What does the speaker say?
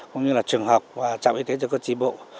cũng như là trường học trạm y tế chưa có trí bộ